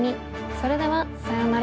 それではさようなら！